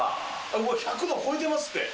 もう１００度超えてますって。